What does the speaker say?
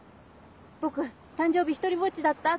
「僕誕生日独りぼっちだった！」